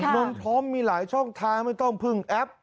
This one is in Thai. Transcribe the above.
มันพร้อมมีหลายช่องทางไม่ต้องพึ่งแอป